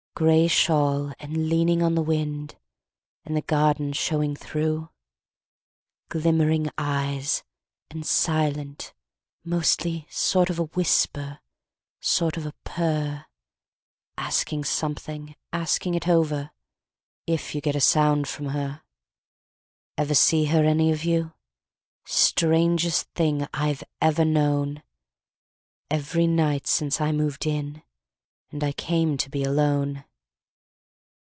Grey shawl, and leaning on the wind, And the garden showing through? Glimmering eyes, and silent, mostly, Sort of a whisper, sort of a purr, Asking something, asking it over, If you get a sound from her. Ever see her, any of you? Strangest thing I've ever known, Every night since I moved in, And I came to be alone.